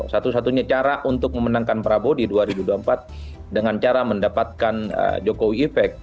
satu satunya cara untuk memenangkan prabowo di dua ribu dua puluh empat dengan cara mendapatkan jokowi effect